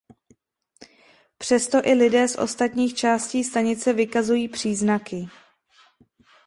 Přesto i lidé z ostatních částí stanice vykazují příznaky.